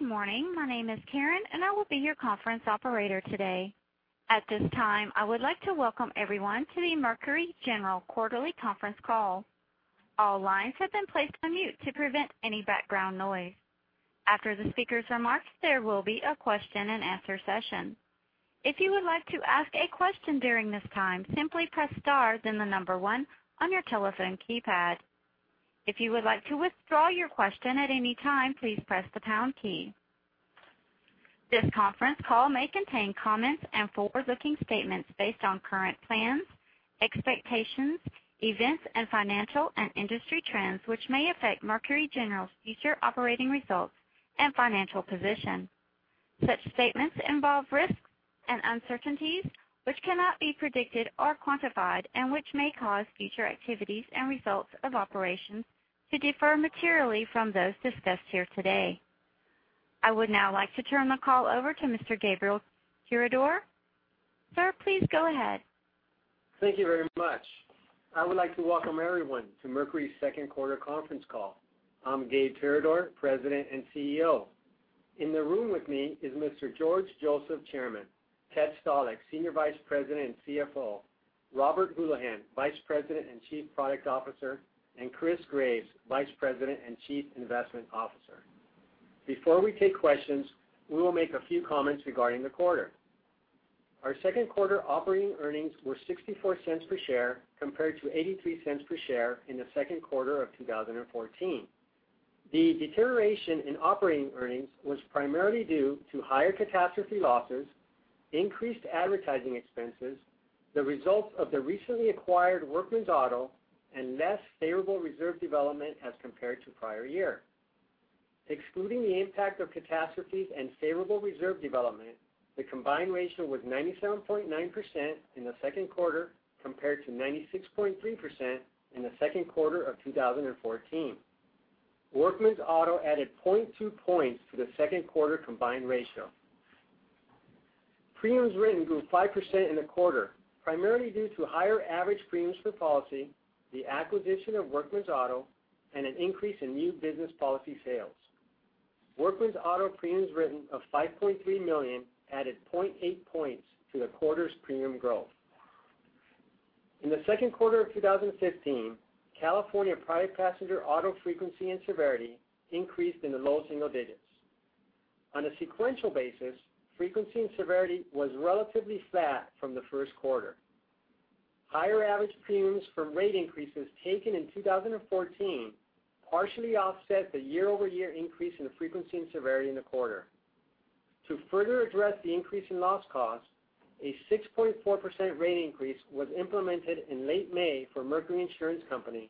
Good morning. My name is Karen, and I will be your conference operator today. At this time, I would like to welcome everyone to the Mercury General quarterly conference call. All lines have been placed on mute to prevent any background noise. After the speaker's remarks, there will be a question-and-answer session. If you would like to ask a question during this time, simply press star, then the number one on your telephone keypad. If you would like to withdraw your question at any time, please press the pound key. This conference call may contain comments and forward-looking statements based on current plans, expectations, events, and financial and industry trends, which may affect Mercury General's future operating results and financial position. Such statements involve risks and uncertainties which cannot be predicted or quantified, and which may cause future activities and results of operations to differ materially from those discussed here today. I would now like to turn the call over to Mr. Gabriel Tirador. Sir, please go ahead. Thank you very much. I would like to welcome everyone to Mercury's second quarter conference call. I'm Gabe Tirador, President and CEO. In the room with me is Mr. George Joseph, Chairman, Ted Stalick, Senior Vice President and CFO, Robert Houlihan, Vice President and Chief Product Officer, and Chris Graves, Vice President and Chief Investment Officer. Before we take questions, we will make a few comments regarding the quarter. Our second quarter operating earnings were $0.64 per share compared to $0.83 per share in the second quarter of 2014. The deterioration in operating earnings was primarily due to higher catastrophe losses, increased advertising expenses, the results of the recently acquired Workman's Auto, and less favorable reserve development as compared to prior year. Excluding the impact of catastrophes and favorable reserve development, the combined ratio was 97.9% in the second quarter, compared to 96.3% in the second quarter of 2014. Workman's Auto added 0.2 points to the second quarter combined ratio. Premiums written grew 5% in the quarter, primarily due to higher average premiums per policy, the acquisition of Workman's Auto, and an increase in new business policy sales. Workman's Auto premiums written of $5.3 million added 0.8 points to the quarter's premium growth. In the second quarter of 2015, California private passenger auto frequency and severity increased in the low single digits. On a sequential basis, frequency and severity was relatively flat from the first quarter. Higher average premiums from rate increases taken in 2014 partially offset the year-over-year increase in the frequency and severity in the quarter. To further address the increase in loss cost, a 6.4% rate increase was implemented in late May for Mercury Insurance Company,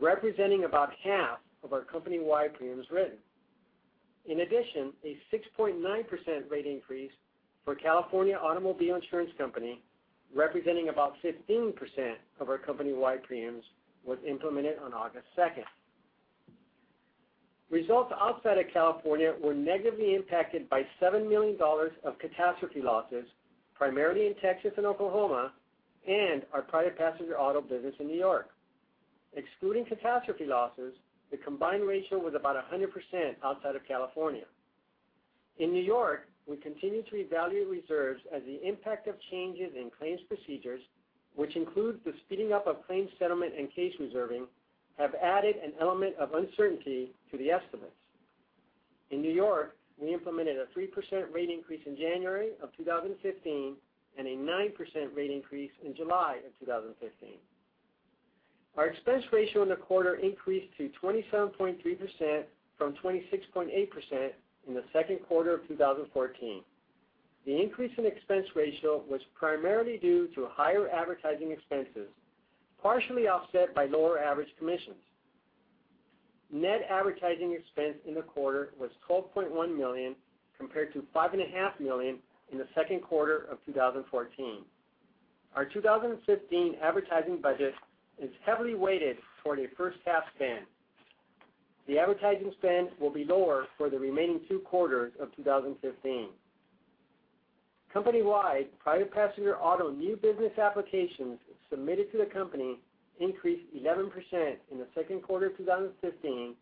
representing about half of our company-wide premiums written. In addition, a 6.9% rate increase for California Automobile Insurance Company, representing about 15% of our company-wide premiums, was implemented on August second. Results outside of California were negatively impacted by $7 million of catastrophe losses, primarily in Texas and Oklahoma and our private passenger auto business in N.Y. Excluding catastrophe losses, the combined ratio was about 100% outside of California. In N.Y., we continue to evaluate reserves as the impact of changes in claims procedures, which includes the speeding up of claims settlement and case reserving, have added an element of uncertainty to the estimates. In N.Y., we implemented a 3% rate increase in January of 2015 and a 9% rate increase in July of 2015. Our expense ratio in the quarter increased to 27.3% from 26.8% in the second quarter of 2014. The increase in expense ratio was primarily due to higher advertising expenses, partially offset by lower average commissions. Net advertising expense in the quarter was $12.1 million, compared to $5.5 million in the second quarter of 2014. Our 2015 advertising budget is heavily weighted toward a first-half spend. The advertising spend will be lower for the remaining 2 quarters of 2015. Company-wide, private passenger auto new business applications submitted to the company increased 11% in the second quarter of 2015,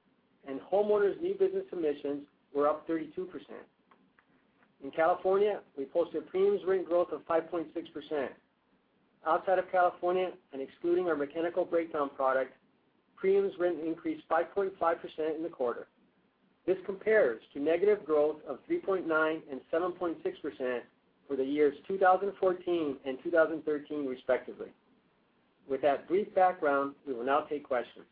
and homeowners new business submissions were up 32%. In California, we posted premiums written growth of 5.6%. Outside of California and excluding our Mechanical Breakdown Protection, premiums written increased 5.5% in the quarter. This compares to negative growth of 3.9% and 7.6% for the years 2014 and 2013 respectively. With that brief background, we will now take questions.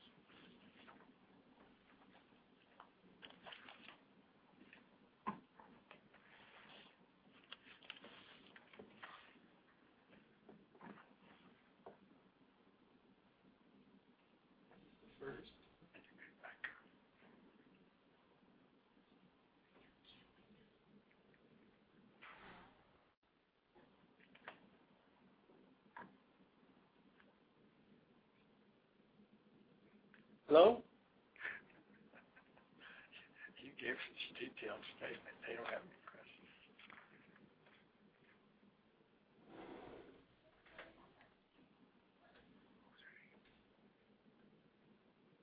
First, I think we're back up. Hello? You give us details back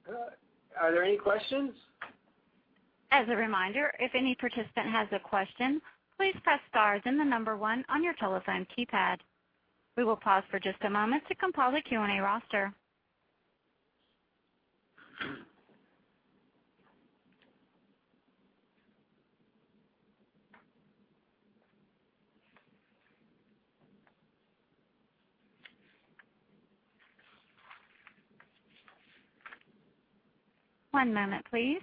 Good. Are there any questions? As a reminder, if any participant has a question, please press star then the number 1 on your telephone keypad. We will pause for just a moment to compile a Q&A roster. One moment, please.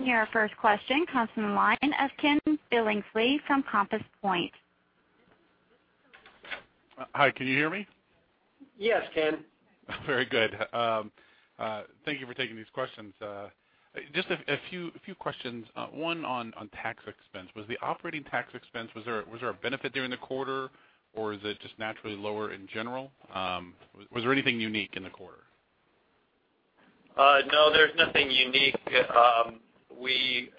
Your first question comes from the line of Ken Billingsley from Compass Point. Hi, can you hear me? Yes, Ken. Very good. Thank you for taking these questions. Just a few questions. One on tax expense. Was the operating tax expense, was there a benefit during the quarter, or is it just naturally lower in general? Was there anything unique in the quarter? No, there's nothing unique. We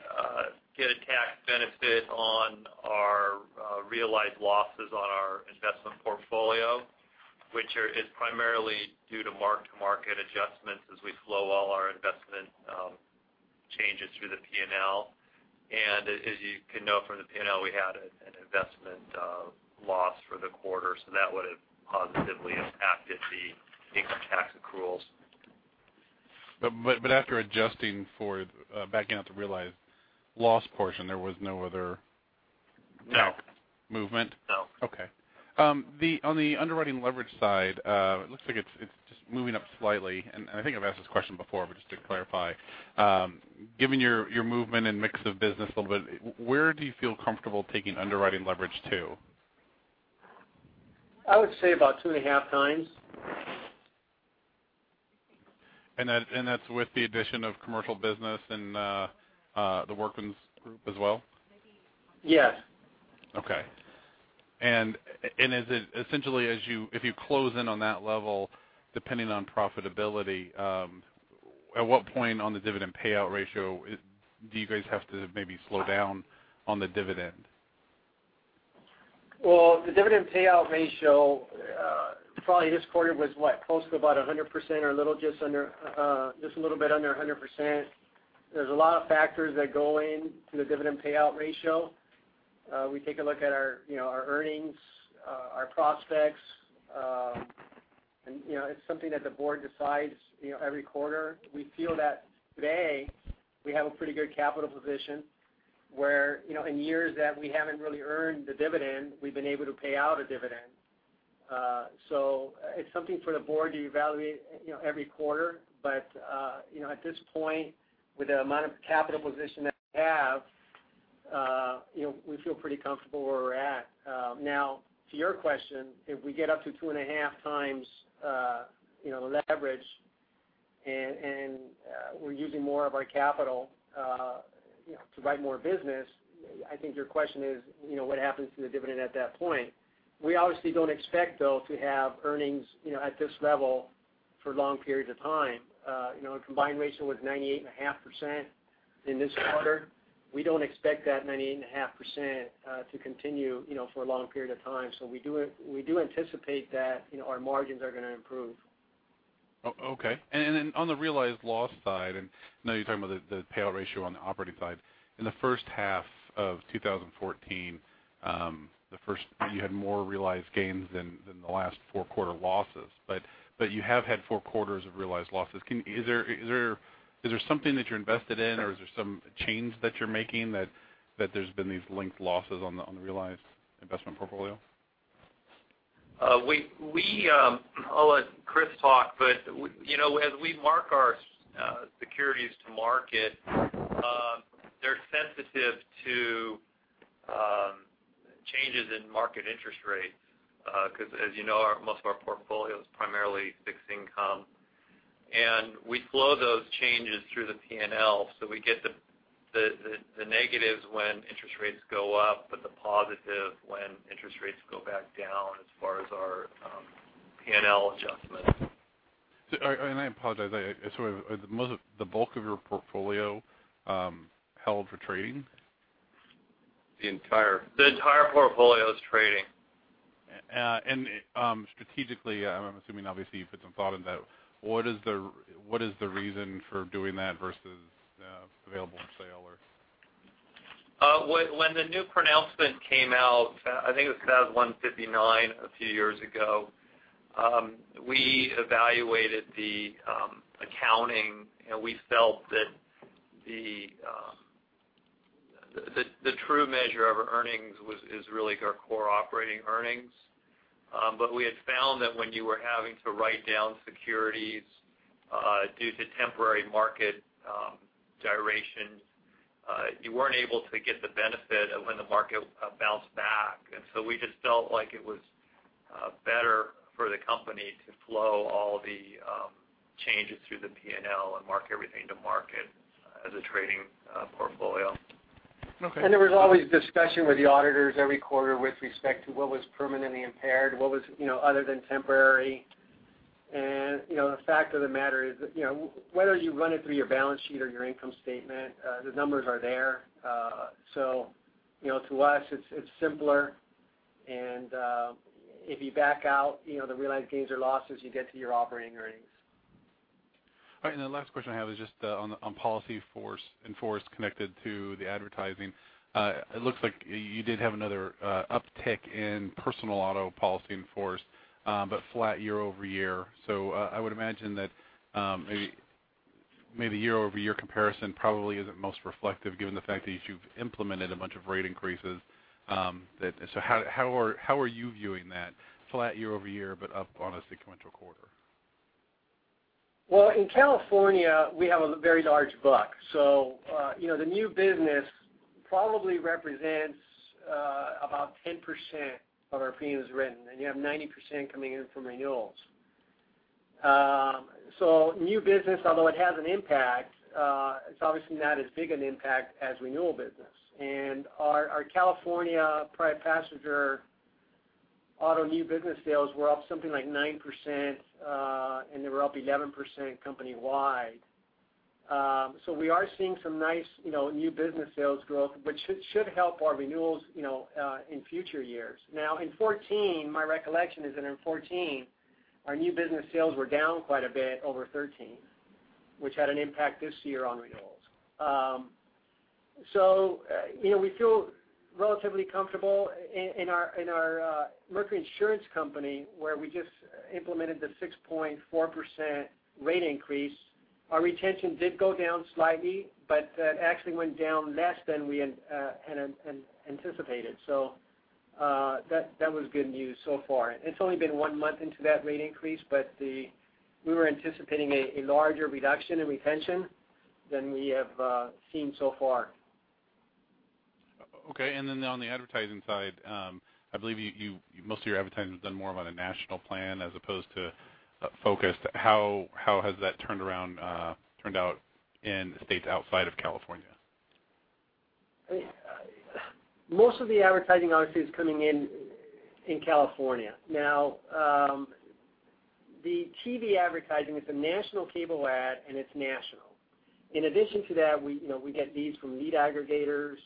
get a tax benefit on our realized losses on our investment portfolio, which is primarily due to mark-to-market adjustments as we flow all our investment changes through the P&L. As you can know from the P&L, we had an investment loss for the quarter, so that would've positively impacted the income tax accruals. After adjusting for backing out the realized loss portion, there was no other- No movement? No. Okay. On the underwriting leverage side, it looks like it's just moving up slightly. I think I've asked this question before, just to clarify. Given your movement and mix of business a little bit, where do you feel comfortable taking underwriting leverage to? I would say about two and a half times. That's with the addition of commercial business and the Workman's group as well? Yes. Okay. Essentially, if you close in on that level, depending on profitability, at what point on the dividend payout ratio do you guys have to maybe slow down on the dividend? The dividend payout ratio, probably this quarter was, what, close to about 100% or just a little bit under 100%. There's a lot of factors that go into the dividend payout ratio. We take a look at our earnings, our prospects. It's something that the board decides every quarter. We feel that today, we have a pretty good capital position, where in years that we haven't really earned the dividend, we've been able to pay out a dividend. It's something for the board to evaluate every quarter. At this point, with the amount of capital position that we have, we feel pretty comfortable where we're at. To your question, if we get up to 2.5 times leverage, and we're using more of our capital to write more business. I think your question is, what happens to the dividend at that point? We obviously don't expect, though, to have earnings at this level for long periods of time. Our combined ratio was 98.5% in this quarter. We don't expect that 98.5% to continue for a long period of time. We do anticipate that our margins are going to improve. Okay. On the realized loss side, I know you're talking about the payout ratio on the operating side. In the first half of 2014, you had more realized gains than the last 4 quarter losses. You have had 4 quarters of realized losses. Is there something that you're invested in, or is there some change that you're making that there's been these linked losses on the realized investment portfolio? I'll let Chris talk. As we mark our securities to market, they're sensitive to changes in market interest rates. Because as you know, most of our portfolio is primarily fixed income. We flow those changes through the P&L, so we get the negatives when interest rates go up, but the positive when interest rates go back down as far as our P&L adjustments. I apologize. The bulk of your portfolio held for trading? The entire portfolio is trading. I'm assuming obviously you've put some thought into that. What is the reason for doing that versus available for sale? When the new pronouncement came out, I think it was FAS 159 a few years ago. We evaluated the accounting, we felt that the true measure of our earnings is really our core operating earnings. We had found that when you were having to write down securities due to temporary market durations, you weren't able to get the benefit of when the market bounced back. We just felt like it was better for the company to flow all the changes through the P&L and mark everything to market as a trading portfolio. Okay. There was always discussion with the auditors every quarter with respect to what was permanently impaired, what was other than temporary. The fact of the matter is, whether you run it through your balance sheet or your income statement, the numbers are there. To us, it's simpler, and if you back out the realized gains or losses, you get to your operating earnings. The last question I have is just on policy in force connected to the advertising. It looks like you did have another uptick in personal auto policy in force, flat year-over-year. I would imagine that maybe year-over-year comparison probably isn't most reflective, given the fact that you've implemented a bunch of rate increases. How are you viewing that flat year-over-year but up on a sequential quarter? In California, we have a very large book. The new business probably represents about 10% of our premiums written, and you have 90% coming in from renewals. New business, although it has an impact, it's obviously not as big an impact as renewal business. Our California private passenger auto new business sales were up something like 9%, and they were up 11% company-wide. We are seeing some nice new business sales growth, which should help our renewals in future years. In 2014, my recollection is that in 2014, our new business sales were down quite a bit over 2013, which had an impact this year on renewals. We feel relatively comfortable in our Mercury Insurance Company, where we just implemented the 6.4% rate increase. Our retention did go down slightly, but that actually went down less than we had anticipated. That was good news so far. It's only been one month into that rate increase, but we were anticipating a larger reduction in retention than we have seen so far. On the advertising side, I believe most of your advertising has been more of on a national plan as opposed to focused. How has that turned out in states outside of California? Most of the advertising obviously is coming in in California. The TV advertising, it's a national cable ad, and it's national. In addition to that, we get leads from lead aggregators.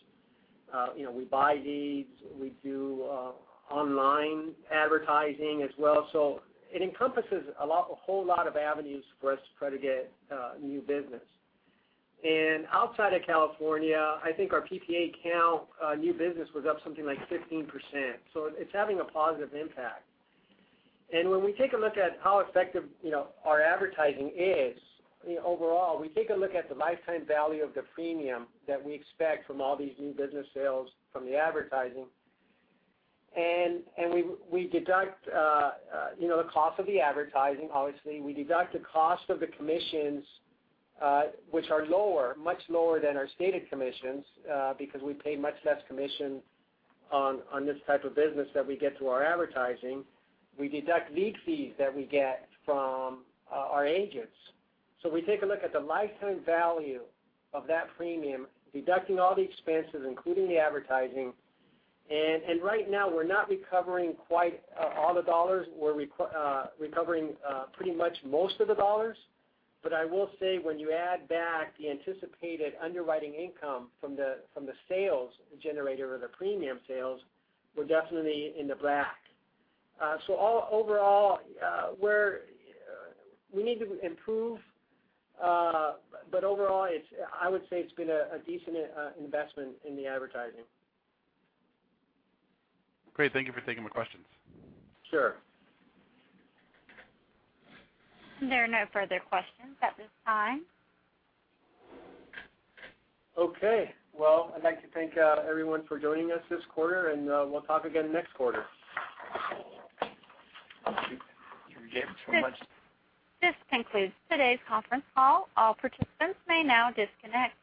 We buy leads. We do online advertising as well. It encompasses a whole lot of avenues for us to try to get new business. Outside of California, I think our PPA count new business was up something like 15%. It's having a positive impact. When we take a look at how effective our advertising is overall, we take a look at the lifetime value of the premium that we expect from all these new business sales from the advertising, and we deduct the cost of the advertising, obviously. We deduct the cost of the commissions, which are lower, much lower than our stated commissions, because we pay much less commission on this type of business that we get through our advertising. We deduct lead fees that we get from our agents. We take a look at the lifetime value of that premium, deducting all the expenses, including the advertising. Right now, we're not recovering quite all the dollars. We're recovering pretty much most of the dollars. I will say, when you add back the anticipated underwriting income from the sales generator or the premium sales, we're definitely in the black. We need to improve. Overall, I would say it's been a decent investment in the advertising. Great. Thank you for taking my questions. Sure. There are no further questions at this time. I'd like to thank everyone for joining us this quarter, and we'll talk again next quarter. Thank you. Appreciate it so much. This concludes today's conference call. All participants may now disconnect.